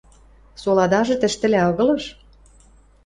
– Соладажы тӹштӹлӓ агылыш...